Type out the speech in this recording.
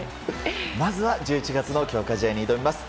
まずは１１月の強化試合に挑みます。